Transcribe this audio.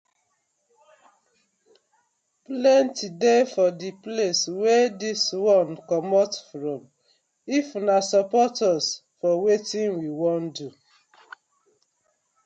Plenty dey for di place wey dis one comot from if una support us for wetin we won do.